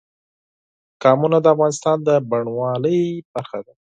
قومونه د افغانستان د بڼوالۍ برخه ده.